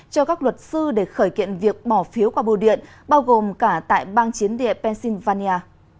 cho các luật sư để khởi kiện việc bỏ phiếu qua bưu điện bao gồm cả tại bang chiến địa pennsylvania